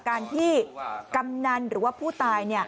การที่กำนันหรือว่าผู้ตาย